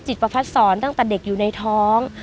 ประพัดศรตั้งแต่เด็กอยู่ในท้อง